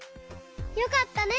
よかったね！